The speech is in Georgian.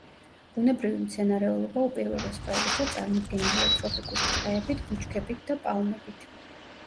ბუნებრივი მცენარეულობა უპირველეს ყოვლისა წარმოდგენილია ტროპიკული ტყეებით, ბუჩქებით და პალმებით.